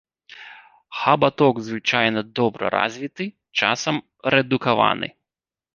Хабаток звычайна добра развіты, часам рэдукаваны.